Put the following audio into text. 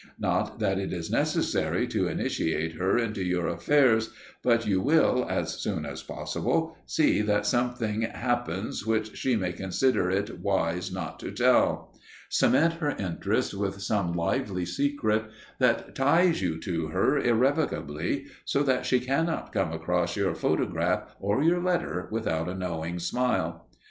Not that it is necessary to initiate her into your affairs, but you will, as soon as possible, see that something happens which she may consider it wise not to tell. Cement her interest with some lively secret that ties you to her irrevocably, so that she cannot come across your photograph or your letter without a knowing smile.